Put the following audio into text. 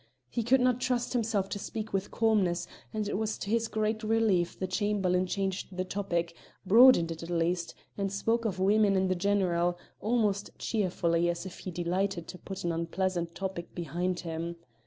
He could not trust himself to speak with calmness, and it was to his great relief the Chamberlain changed the topic broadened it, at least, and spoke of women in the general, almost cheerfully, as if he delighted to put an unpleasant topic behind him.